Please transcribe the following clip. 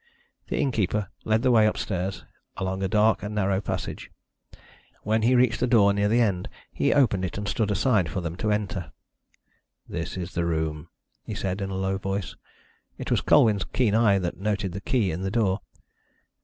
The innkeeper led the way upstairs along a dark and narrow passage. When he reached a door near the end, he opened it and stood aside for them to enter. "This is the room," he said, in a low voice. It was Colwyn's keen eye that noted the key in the door.